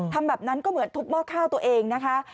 แบบนั้นก็เหมือนทุบหม้อข้าวตัวเองนะคะ